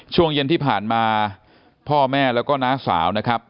ช่วงเย็นที่ผ่านมาพ่อแม่แล้วก็น้าสาวนะครับ